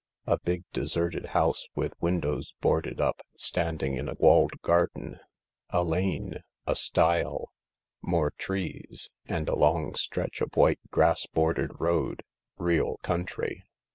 A big deserted house, with windows boarded up, standing in a walled garden. A lane ; a stile ; more trees, and a long stretch of white grass bordered road — real country.